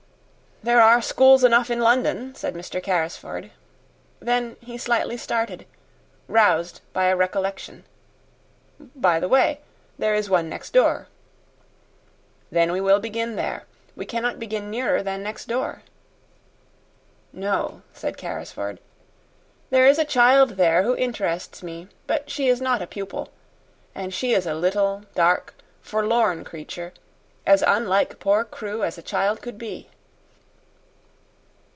"There are schools enough in London," said Mr. Carrisford. Then he slightly started, roused by a recollection. "By the way, there is one next door." "Then we will begin there. We cannot begin nearer than next door." "No," said Carrisford. "There is a child there who interests me; but she is not a pupil. And she is a little dark, forlorn creature, as unlike poor Crewe as a child could be."